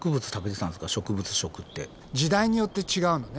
時代によって違うのね。